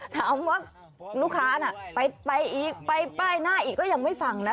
ถามว่าลูกค้าอีกไปป้ายหน้าก็ยังไม่ฟังนะ